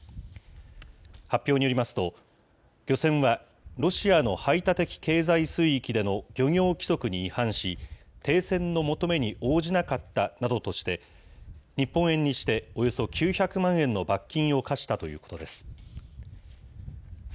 発表によりますと、漁船はロシアの排他的経済水域での漁業規則に違反し、停船の求めに応じなかったなどとして、日本円にしておよそ９００万円の罰金を科したということです。